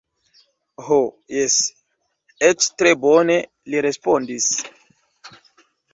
Ho jes, eĉ tre bone, li respondis.